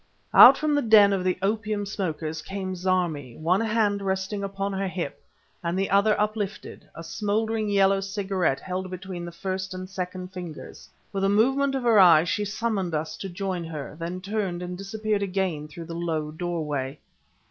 Out from the den of the opium smokers came Zarmi, one hand resting upon her hip and the other uplifted, a smoldering yellow cigarette held between the first and second fingers. With a movement of her eyes she summoned us to join her, then turned and disappeared again through the low doorway.